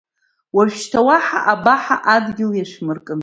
Ушьҭа уаҳа абаҳа адгьыл иашәмыркын!